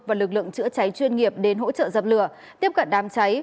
và lực lượng chữa cháy chuyên nghiệp đến hỗ trợ dập lửa tiếp cận đám cháy